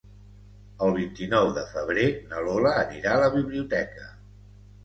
El vint-i-nou de febrer na Lola anirà a la biblioteca.